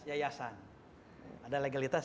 yayasan ada legalitas